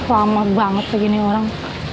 lama banget begini orang